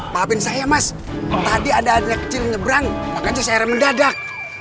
pahamin saya mas tadi ada adanya kecil nyebrang makanya saya remendadak